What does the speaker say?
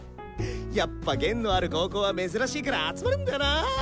やっぱ弦のある高校は珍しいから集まるんだよな。